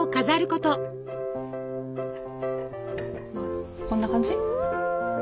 こんな感じ？